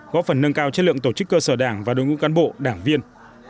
góp phần nâng cao chất lượng tổ chức cơ sở đảng và đối ngũ cán bộ đảng viên